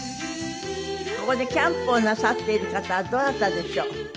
ここでキャンプをなさっている方はどなたでしょう？